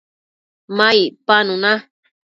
ma icpanu na